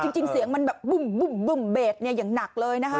จริงเสียงมันแบบบุ่มบุ่มบุ่มเบจเนี่ยอย่างหนักเลยนะคะ